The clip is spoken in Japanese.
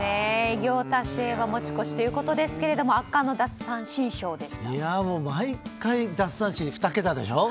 偉業達成は持ち越しということですが毎回奪三振が２桁でしょ？